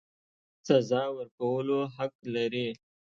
سزا ورکولو حق لري.